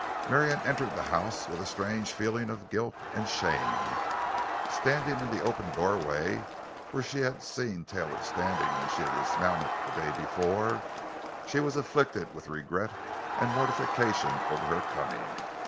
Marion entered the house with a strange feeling of guilt and shame. Standing in the open doorway—where she had seen Taylor standing when she had dismounted the day before—she was afflicted with regret and mortification over her coming.